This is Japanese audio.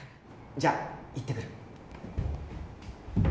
じゃ、行ってくる。